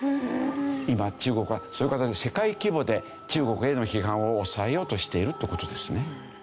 今中国はそういう形で世界規模で中国への批判を抑えようとしているって事ですね。